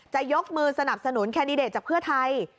จะยกมือสนับสนุนแคนดิเดตจากเพื่อไทย